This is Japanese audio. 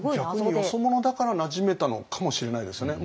逆によそ者だからなじめたのかもしれないですよね。